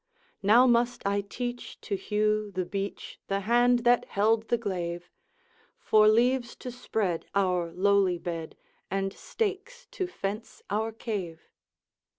'Now must I teach to hew the beech The hand that held the glaive, For leaves to spread our lowly bed, And stakes to fence our cave.